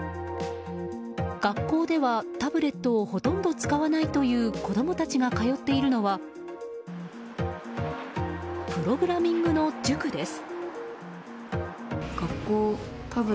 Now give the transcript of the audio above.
学校ではタブレットをほとんど使わないという子供たちが通っているのはプログラミングの塾です。